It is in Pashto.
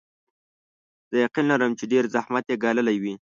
زه یقین لرم چې ډېر زحمت یې ګاللی وي.